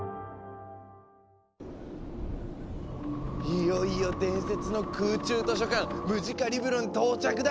いよいよ伝説の空中図書館ムジカリブロに到着だ！